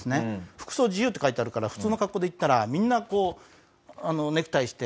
「服装自由」って書いてあるから普通の格好で行ったらみんなこうネクタイして。